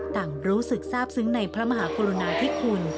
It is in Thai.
ต่างรู้สึกทราบซึ้งในพระมหากรุณาธิคุณ